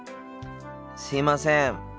すいません。